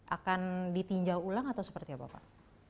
akan ditinjau ulang atau seperti apa pak